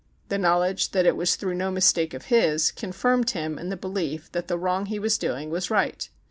The knowledge that it was through no mistake of his confirmed him in the belief that the wrong he was doing was the right.